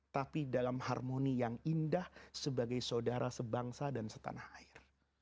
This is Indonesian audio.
tapi dalam harmoni yang indah sebagai saudara sebangsa dan setanah air